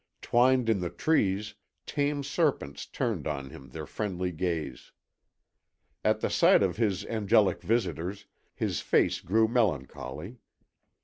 Twined in the trees, tame serpents turned on him their friendly gaze. At the sight of his angelic visitors his face grew melancholy.